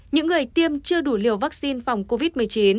những người tiêm chưa đủ liều vaccine phòng covid một mươi chín